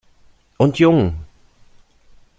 Und jung!